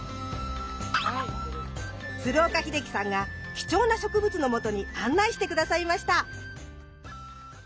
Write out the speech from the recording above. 鶴岡秀樹さんが貴重な植物のもとに案内して下さいました。